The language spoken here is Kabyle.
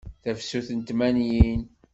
Tafsut n tmanyin.